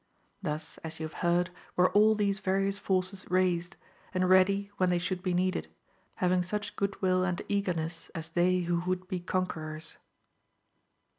Thus as you have heard were all these various forces raised, and ready when they should be needed, having such good will and eagerness as they who would be conquerors.